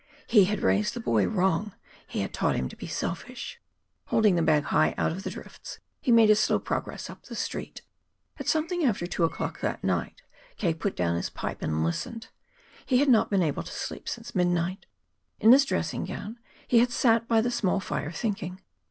He had raised the boy wrong he had taught him to be selfish. Holding the bag high out of the drifts, he made his slow progress up the Street. At something after two o'clock that night, K. put down his pipe and listened. He had not been able to sleep since midnight. In his dressing gown he had sat by the small fire, thinking.